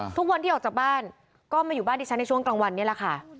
ทุกวันที่ออกจากบ้านก็มาอยู่บ้านที่ฉันในช่วงกลางวันนี้แหละค่ะ